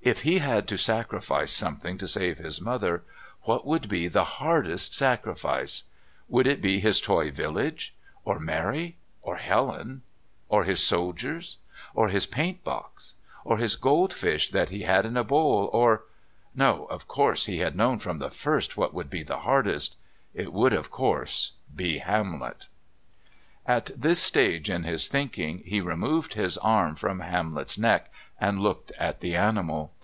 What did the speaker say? If he had to sacrifice something to save his mother, what would be the hardest sacrifice? Would it be his Toy Village, or Mary or Helen, or his soldiers, or his paint box, or his gold fish that he had in a bowl, or No, of course, he had known from the first what would be hardest it would, of course, be Hamlet. At this stage in his thinking he removed his arm from Hamlet's neck and looked at the animal.